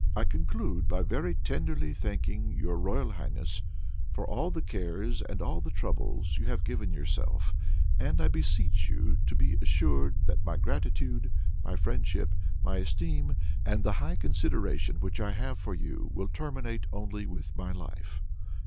"I conclude by very tenderly thanking your royal highness for all the cares and all the troubles you have given yourself; and I beseech you to be assured that my gratitude, my friendship, my esteem, and the high consideration which I have for you, will terminate only with my life.